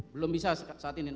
belum bisa saat ini